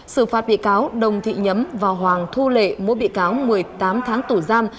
xử phạt bị cáo đồng thị nhấm và hoàng thu lệ mỗi bị cáo một mươi tám tháng tù giam